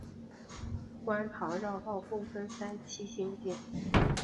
观塘绕道共分三期兴建。